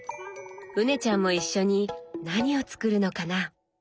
羽根ちゃんも一緒に何を作るのかな？